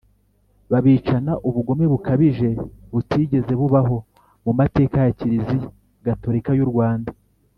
babicana ubugome bukabije butigeze bubaho mu mateka ya kiliziya gatorika y'u rwanda